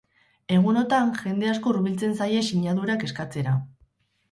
Egunotan, jende asko hurbiltzen zaie sinadurak eskatzera.